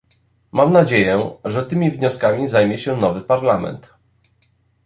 Mam nadzieję, że tymi wnioskami zajmie się nowy Parlament